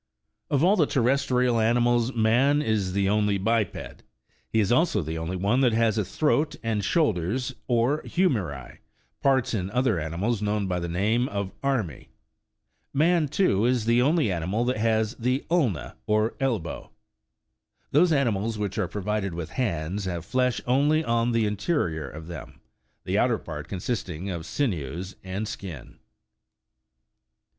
Of all the terrestrial animals, man is the only biped : he is also the only one that has a throat, and shoulders, or " hu meri," parts in other animals known by the name of " armi." Man, too, is the only animal that has the " ulna," or elbow. Those animals which are provided with hands, have flesh only on the interior of them, the outer part consisting of sinews and skin.